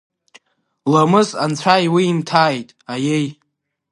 Намыс анцәа иуимҭааит, аиеи…